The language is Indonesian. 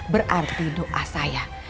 berarti doa saya